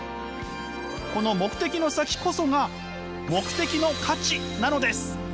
この目的の先こそが目的の価値なのです！